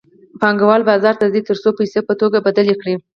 پانګوال بازار ته ځي تر څو پیسې په توکو بدلې کړي